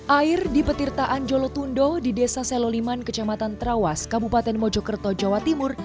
air di petirtaan jolotundo di desa seloliman kecamatan trawas kabupaten mojokerto jawa timur